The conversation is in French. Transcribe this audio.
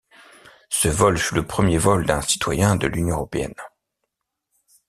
Ce vol fut le premier vol d’un citoyen de l’Union européenne.